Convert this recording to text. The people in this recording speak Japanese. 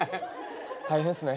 大変っすね。